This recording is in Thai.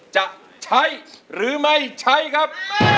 จะใช้หรือไม่ใช้ครับ